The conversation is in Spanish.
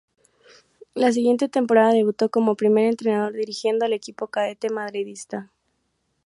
La siguiente temporada debutó como primer entrenador, dirigiendo al equipo cadete madridista.